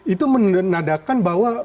itu menandakan bahwa